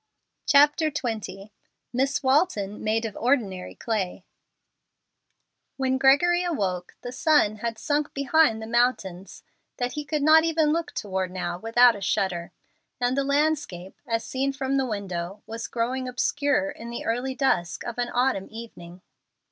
CHAPTER XX MISS WALTON MADE OF ORDINARY CLAY When Gregory awoke, the sun had sunk behind the mountains that he could not even look toward now without a shudder, and the landscape, as seen from the window, was growing obscure in the early dusk of an autumn evening.